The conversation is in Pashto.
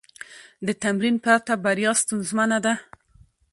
د تمرین پرته، بریا ستونزمنه ده.